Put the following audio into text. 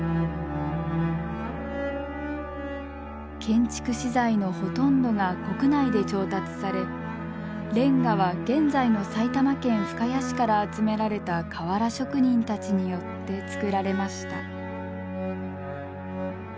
建築資材のほとんどが国内で調達されレンガは現在の埼玉県深谷市から集められた瓦職人たちによって作られました。